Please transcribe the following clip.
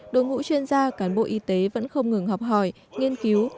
đội ngũ chuyên gia cán bộ y tế vẫn không ngừng học hỏi nghiên cứu